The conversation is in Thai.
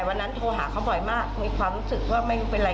บอกพ่อนะเขาก็ถามว่าเป็นอะไร